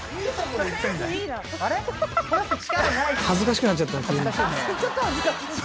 恥ずかしくなっちゃった急に。